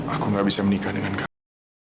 aku gak bisa menikah dengan kamu